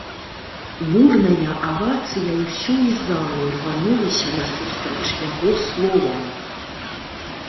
Бурная авацыя ўсёй залы рванулася насустрач яго словам.